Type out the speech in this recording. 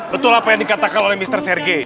betul apa yang dikatakan oleh mister sergi